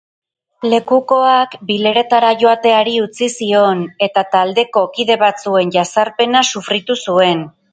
Lekukoak bileretara joateari utzi zion, eta taldeko kide batzuen jazarpena sufritu zuen.